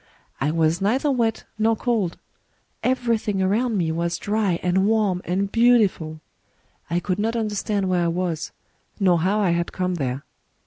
I was neither wet nor cold: everything around me was dry and warm and beautiful. I could not understand where I was, nor how I had come there.